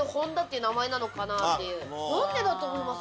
何でだと思います？